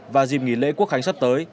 và dìm nghỉ lễ quốc khánh sắp tới